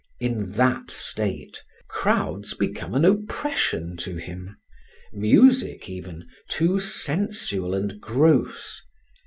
In that state, crowds become an oppression to him; music even, too sensual and gross.